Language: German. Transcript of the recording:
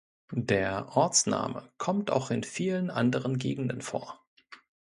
Der Ortsname kommt auch in vielen anderen Gegenden vor.